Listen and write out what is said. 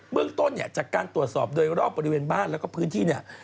เมืองต้นจากการตรวจสอบโดยรอบบริเวณบ้านและพื้นที่